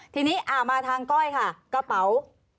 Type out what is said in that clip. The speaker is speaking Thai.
ทีนี้มาทางก้อยค่ะกระเป๋า